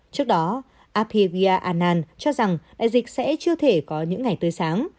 trước đó abhigya anand cho rằng đại dịch sẽ chưa thể có những ngày tươi sáng